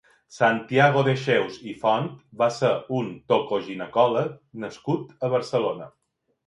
Santiago Dexeus i Font va ser un tocoginecòleg nascut a Barcelona.